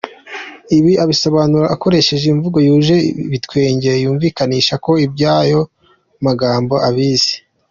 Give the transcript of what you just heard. Ibi abisobanura akoresheje imvugo yuje ibitwenge yumvikanisha ko iby’ayo magambo abizi.